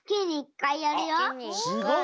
すごい！